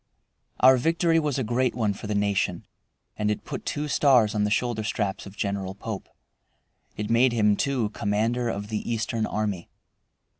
Our victory was a great one for the nation, and it put two stars on the shoulder straps of General Pope. It made him, too, commander of the Eastern army.